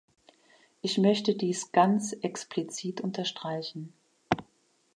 Ich möchte dies ganz explizit unterstreichen.